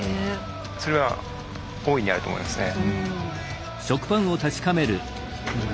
それは大いにあると思いますね。